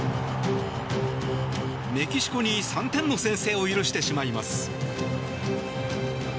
メキシコに３点の先制を許してしまいます。